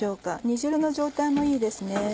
煮汁の状態もいいですね。